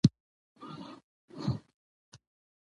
د کتاب ټول درسونه په ځان جوړونه